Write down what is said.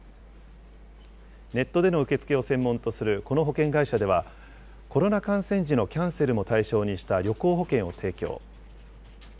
ネットでの受け付けを専門とするこの保険会社では、コロナ感染時のキャンセルも対象にした旅行保険を提供。